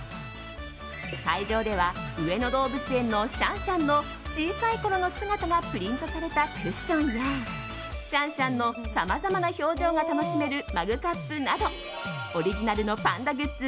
会場では上野動物園のシャンシャンの小さいころの姿がプリントされたクッションやシャンシャンのさまざまな表情が楽しめるマグカップなどオリジナルのパンダグッズ